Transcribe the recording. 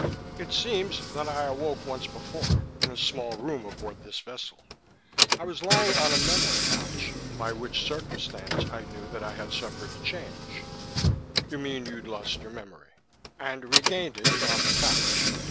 "It seems that I awoke once before, in a small room aboard this vessel. I was lying on a memo couch, by which circumstance I knew that I had suffered a Change " "You mean you'd lost your memory?" "And regained it on the couch.